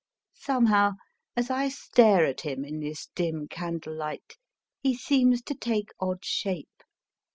Somehow, as I stare at him in this dim candlelight, he seems to take odd shape.